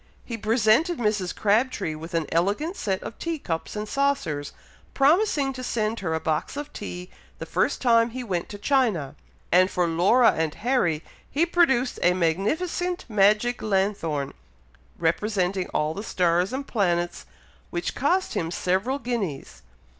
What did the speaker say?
He presented Mrs. Crabtree with an elegant set of tea cups and saucers, promising to send her a box of tea the first time he went to China; and for Laura and Harry he produced a magnificent magic lanthorn, representing all the stars and planets, which cost him several guineas.